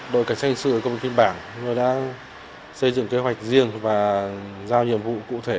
đội cảnh sát hình sự của công ty phiên bản đã xây dựng kế hoạch riêng và giao nhiệm vụ cụ thể